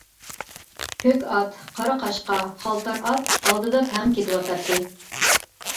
كۆك ئات، قارا قاشقا، خالتار ئات ئالدىدا تەڭ كېتىۋاتاتتى.